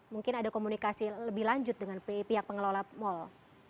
mungkin ada komunikasi lebih lanjut dengan pihak pengelola mal